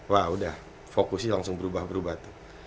wah udah fokusnya langsung berubah berubah tuh